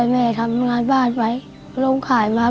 มาทำบ้านไหม